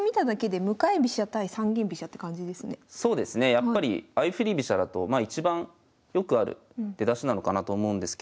やっぱり相振り飛車だと一番よくある出だしなのかなと思うんですけど。